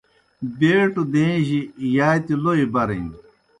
بیٹوْ دَیں جی یاتی لوْئی برِن